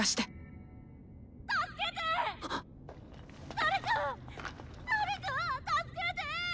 誰か誰か助けて！